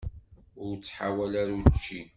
Ur ttḥawal ara učči.